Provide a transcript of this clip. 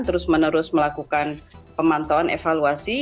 terus menerus melakukan pemantauan evaluasi